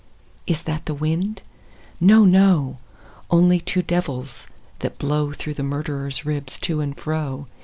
Is that the wind ? No, no ; Only two devils, that blow Through the murderer's ribs to and fro.